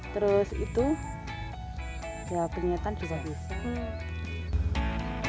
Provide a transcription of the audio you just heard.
terus itu ya penyedotan juga bisa